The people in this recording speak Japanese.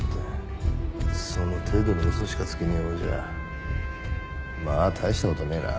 その程度の嘘しかつけねえようじゃまあ大したことねえな。